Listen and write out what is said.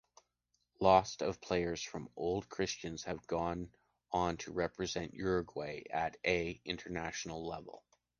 Lost of players from the Old Christians have gone on to represent Uruguay at eh international level.